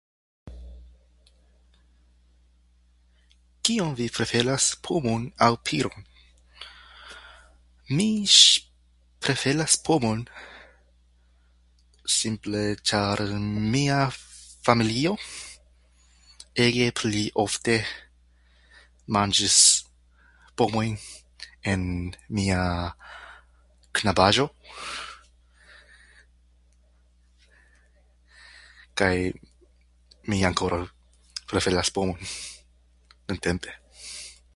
Kion vi preferas, pomon aŭ piron? Mi preferas pomon, simple ĉar mia familio ege pli ofte manĝis pomojn en mia knabaĝo. Kaj mi ankoraŭ preferas pomon nuntempe.